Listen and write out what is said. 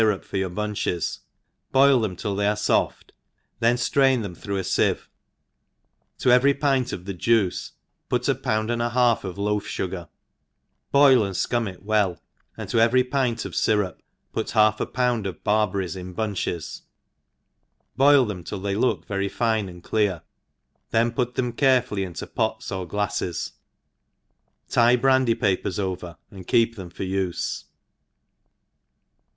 ENGLISH HOUSE KEEPER. 229 a fyrupof your bunches^ boil them till they arc foft, then ft rain them through a ficve; to every pint of the juice put a pound and a half of loaf fngar, boil and fkim it well, and to every pint of fyrup put half a pound of barberries in bunches, boil them till they look very fine and clear, then put them carefully into pots and glafies ; tie brandy papers over, and keep them for ufe.